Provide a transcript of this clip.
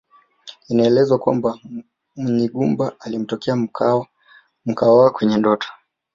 Inaelezwa kwamba Munyigumba alimtokea Mkwawa kwenye ndoto